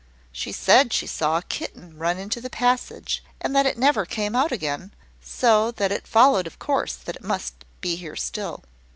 "She said she saw a kitten run into the passage, and that it never came out again: so that it followed of course that it must be here still.